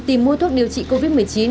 tìm mua thuốc điều trị covid một mươi chín